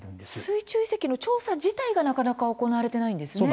水中遺跡の調査自体がなかなか行われていないんですね。